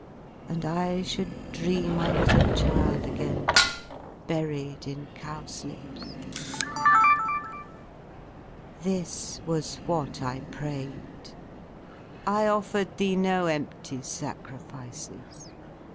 And I should dream I was a child again Buried in cowslips. This was what 1 prayed. I offered thee no empty sacrifices.